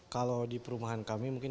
kalau di perumahan kami mungkin